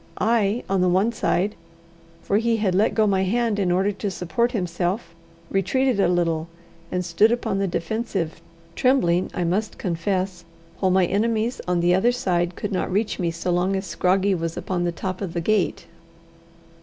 I, on the one side for he had let go my hand in order to support himself retreated a little, and stood upon the defensive, trembling, I must confess; while my enemies on the other side could not reach me so long as Scroggie was upon the top of the gate.